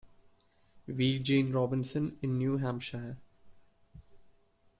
V. Gene Robinson in New Hampshire.